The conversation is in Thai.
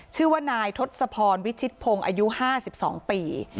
ชื่อว่านายทศพรวิชิตพงศ์อายุ๕๒ปี